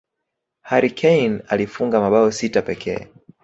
harry kane alifunga mabao sita pekee